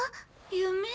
夢？